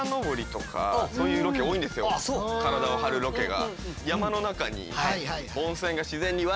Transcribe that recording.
体を張るロケが。